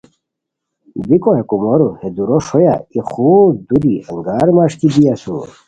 بیکو ہے کومورو ہے دورو ݰویہ ای خور دوری انگار مݰکی بی اسور